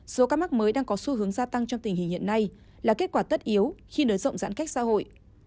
số ca mắc mới đang có xu hướng gia tăng trong tình hình hiện nay là kết quả tất yếu khi nới rộng giãn cách xã hội